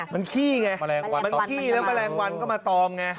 มันขี้ไงมันขี้แล้วแมลงวันก็มาตอมไง